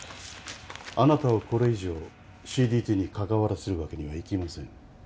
あなたをこれ以上ＣＤＴに関わらせるわけにはいきません。